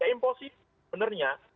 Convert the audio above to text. ya imposisi benarnya